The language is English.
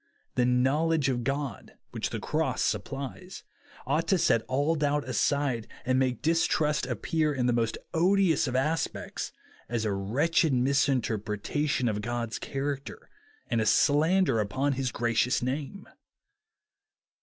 The knowledge of God, which the cross supplies, ought to set all doubt aside, and make distrust appear in the most odious of aspects, as a wretched misrepresentation of God's character and a slander upon his gracious name.